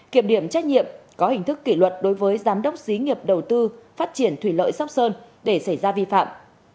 kiểm điểm trách nhiệm có hình thức kỷ luật đối với giám đốc xí nghiệp đầu tư phát triển thủy lợi sóc sơn để xảy ra vi phạm